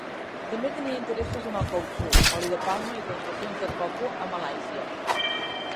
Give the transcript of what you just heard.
També tenia interessos en el cautxú, oli de palma i plantacions de coco a Malàisia.